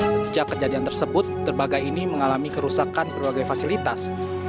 sejak kejadian tersebut derbagai ini mengalami kerusakan berbagai fasilitas